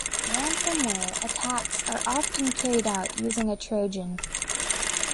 Ransomware attacks are often carried out using a Trojan.